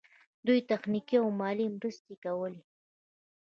دوی تخنیکي او مالي مرستې کولې.